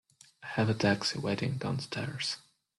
I have a taxi waiting downstairs.